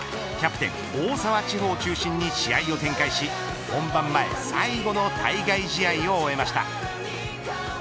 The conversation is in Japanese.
キャプテン大澤ちほを中心に試合を展開し本番前最後の対外試合を終えました。